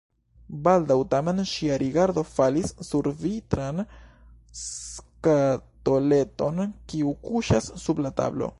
Baldaŭ tamen ŝia rigardo falis sur vitran skatoleton, kiu kuŝas sub la tablo.